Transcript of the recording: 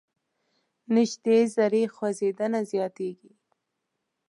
نژدې ذرې خوځیدنه زیاتیږي.